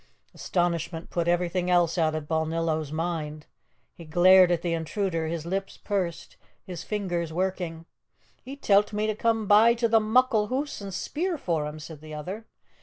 Astonishment put everything else out of Balnillo's mind. He glared at the intruder, his lips pursed, his fingers working. "He tell't me to come in by to the muckle hoose and speer for him," said the other.